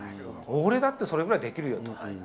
俺だって、それぐらいできるよと。